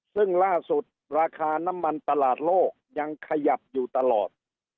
ซึ่งล่าสุดราคาน้ำมันตลาดโลกยังขยับอยู่ตลอด